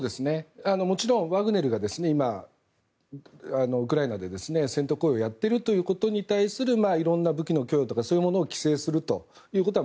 もちろん、ワグネルが今、ウクライナで戦闘行為をやっているということに対するいろんな武器の供与とかそういうものを規制するのは